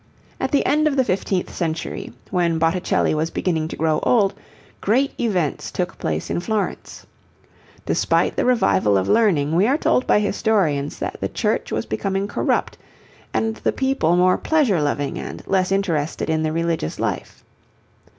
At the end of the fifteenth century, when Botticelli was beginning to grow old, great events took place in Florence. Despite the revival of learning, we are told by historians that the Church was becoming corrupt and the people more pleasure loving and less interested in the religious life.